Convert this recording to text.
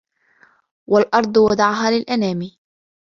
وَالأَرضَ وَضَعَها لِلأَنامِ